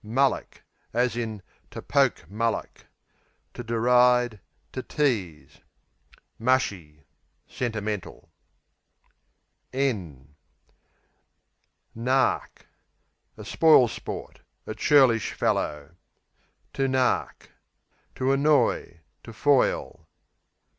Mullock, to poke To deride; to tease. Mushy Sentimental. Nark s. A spoil sport; a churlish fellow. Nark, to To annoy; to foil.